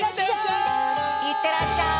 いってらっしゃい！